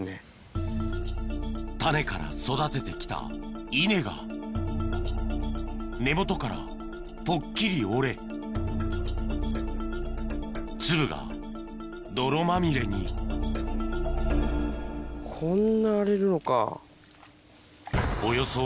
種から育てて来た稲が根元からぽっきり折れ粒が泥まみれにこんな荒れるのか。